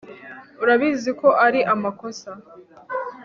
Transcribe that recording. Urabizi ko ari amakosa